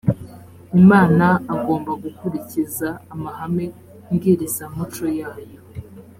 imana agomba gukurikiza amahame mbwirizamuco yayo